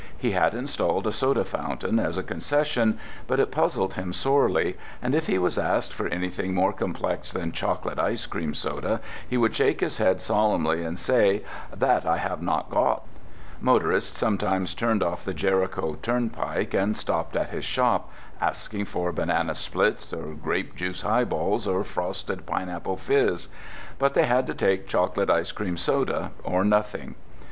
He had installed a soda fountain as a concession, but it puzzled him sorely, and if he was asked for anything more complex than chocolate ice cream soda he would shake his head solemnly and say: "That I have not got." Motorists sometimes turned off the Jericho turnpike and stopped at his shop asking for banana splits or grape juice highballs, or frosted pineapple fizz. But they had to take chocolate ice cream soda or nothing.